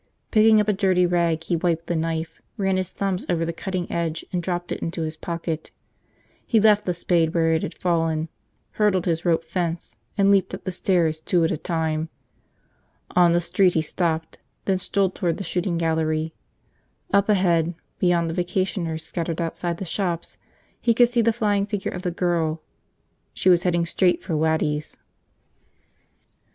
Picking up a dirty rag, he wiped the knife, ran his thumb over the cutting edge, and dropped it into his pocket. He left the spade where it had fallen, hurdled his rope fence and leaped up the stairs two at a time. On the street he stopped, then strolled toward the shooting gallery. Up ahead, beyond the vacationers scattered outside the shops, he could see the flying figure of the girl. She was heading straight for Waddy's.